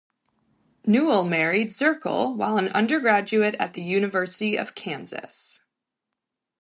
Newell married Zirkle while an undergraduate at the University of Kansas.